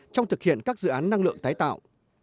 trong thực hiện các dự án năng lượng tái tạo